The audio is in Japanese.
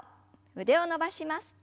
腕を伸ばします。